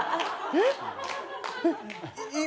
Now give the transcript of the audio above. えっ？